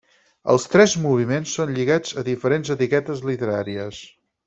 Els tres moviments són lligats a diferents etiquetes literàries.